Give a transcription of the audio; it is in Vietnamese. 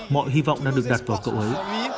mọi hy vọng đang được đặt vào cậu ấy